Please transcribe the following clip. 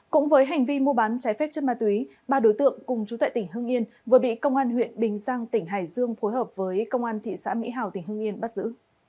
cũng với hành vi mua bán trái phép chất ma túy ba đối tượng cùng chú tại tỉnh hưng yên vừa bị công an huyện bình giang tỉnh hải dương phối hợp với công an thị xã mỹ hào tỉnh hưng yên bắt giữ